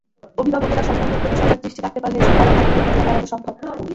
অভিভাবকেরা সন্তানদের প্রতি সজাগ দৃষ্টি রাখতে পারলে এসব অনাকাঙ্ক্ষিত ঘটনা এড়ানো সম্ভব।